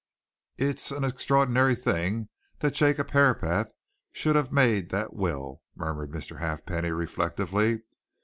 "It's an extraordinary thing that Jacob Herapath should have made that will," murmured Mr. Halfpenny reflectively.